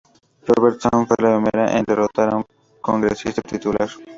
Robertson fue la primera en derrotar a un congresista titular.